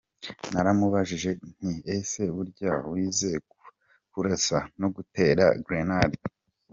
Naramubajije nti ese burya wize kurasa no gutera grenades ?